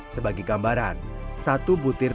selama beberapa tahun